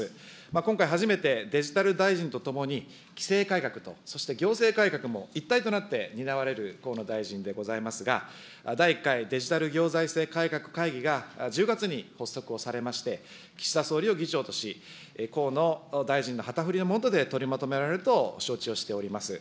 今回、初めてデジタル大臣とともに規制改革、そして行政改革も一体となって担われる河野大臣でございますが、第１回デジタル行財政改革会議が１０月に発足をされまして、岸田総理を議長とし、河野大臣の旗振りの下で取りまとめられると承知をしております。